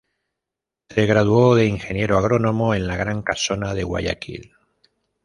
Se graduó de ingeniero agrónomo en la Gran Casona de Guayaquil.